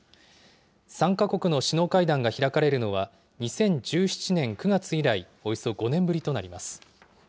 ３か国の首脳会談が開かれるのは、２０１７年９月以来、およそ５年ぶりとなります。